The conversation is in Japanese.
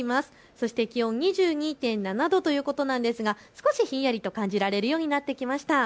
そして気温２２．７度ということなんですが少しひんやりと感じられるようになってきました。